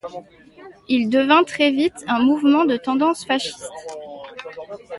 Il devint très vite un mouvement de tendance fasciste.